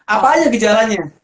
apa aja gejalanya